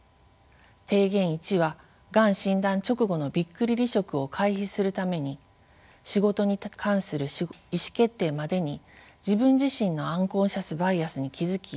提言１はがん診断直後のびっくり離職を回避するために仕事に関する意思決定までに自分自身のアンコンシャスバイアスに気付き